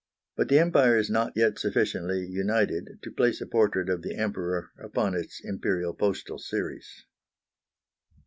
But the Empire is not yet sufficiently united to place a portrait of the Emperor upon its Imperial postal series.